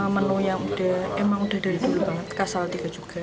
menu yang memang udah dari dulu banget kasal juga